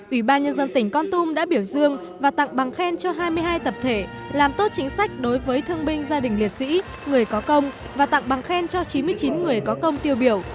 ủy ban nhân dân tỉnh con tum đã biểu dương và tặng bằng khen cho hai mươi hai tập thể làm tốt chính sách đối với thương binh gia đình liệt sĩ người có công và tặng bằng khen cho chín mươi chín người có công tiêu biểu